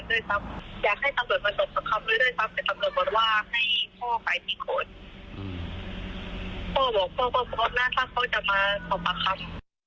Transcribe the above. แต่ตำรวจบอกว่าให้พ่อขายพิโฆษณ์พ่อบอกพ่อพ่อพร้อมนะครับเขาจะมาส่งประคับ